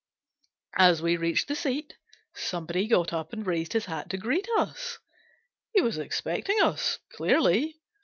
As we reached the seat, somebody got up and raised his hat to greet us. He was ex pecting us, clearly.